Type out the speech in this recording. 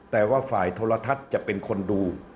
แต่ว่าฝ่ายโทรทัศน์จะเป็นคนดู